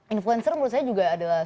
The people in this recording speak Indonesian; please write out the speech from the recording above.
influencer menurut saya juga adalah